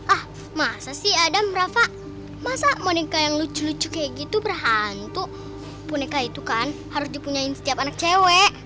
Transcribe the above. ah masa sih ada merasa masa boneka yang lucu lucu kayak gitu berhantu boneka itu kan harus dipunyain setiap anak cewek